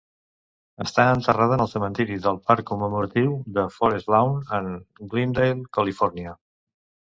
Està enterrada en el cementiri del parc commemoratiu de Forest Lawn en Glendale, Califòrnia.